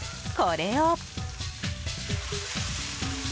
これを。